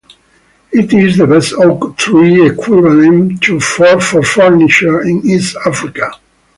It is the best oak tree equivalent for furniture in East Africa.